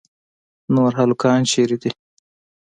نور هلکان چیرې دي.